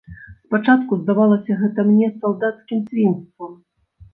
Спачатку здавалася гэта мне салдацкім свінствам.